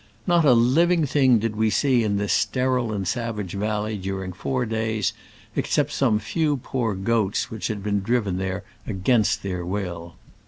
Not a living thing did we see in this sterile and sav age valley during four days, except some few poor goats which had been driven there against their will.